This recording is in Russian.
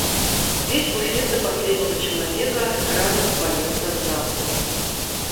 Весь буфет до последнего человека разом ввалился в залу.